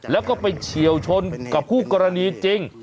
แล้วก็ไปเฉียวชนกับคู่กรณีจริง